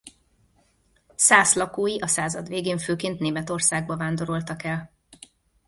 Szász lakói a század végén főként Németországba vándoroltak el.